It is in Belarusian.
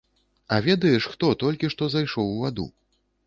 А ведаеш, хто толькі што зайшоў у ваду?